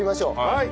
はい。